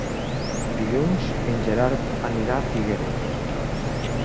Dilluns en Gerard anirà a Figueres.